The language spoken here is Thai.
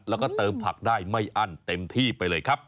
แล้วก็เติมผักได้ไม่อั้นเต็มที่ไปเลยครับ